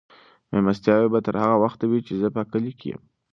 مېلمستیاوې به تر هغه وخته وي چې زه په کلي کې یم.